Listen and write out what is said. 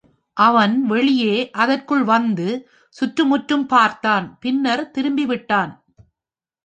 அவன் வெளியே அதற்குள் வந்து, சுற்றுமுற்றும் பார்த்தான். பின்னர் திரும்பிவிட்டான்